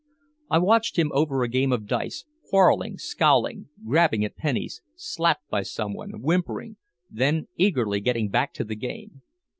I watched him over a game of dice, quarreling, scowling, grabbing at pennies, slapped by some one, whimpering, then eagerly getting back to the game.